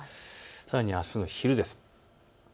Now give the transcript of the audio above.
さらにあすの昼です。